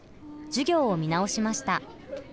授業を見直しました。